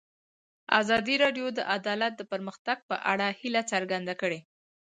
ازادي راډیو د عدالت د پرمختګ په اړه هیله څرګنده کړې.